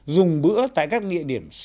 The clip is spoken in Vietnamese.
dùng bữa tại các địa điểm